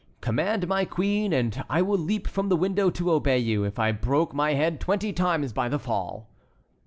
"Command, my queen, and I will leap from the window to obey you, if I broke my head twenty times by the fall."